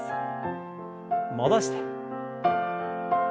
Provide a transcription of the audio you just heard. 戻して。